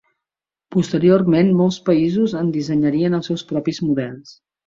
Posteriorment, molts països en dissenyarien els seus propis models.